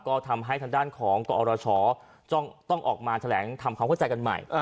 ก็ทำให้ทางด้านของกอรชต้องออกมาแถลงทำความเข้าใจกันใหม่